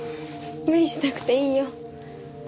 無理しなくていいよ。